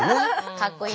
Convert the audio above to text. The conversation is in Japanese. かっこいいな。